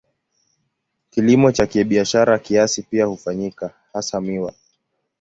Kilimo cha kibiashara kiasi pia hufanyika, hasa miwa.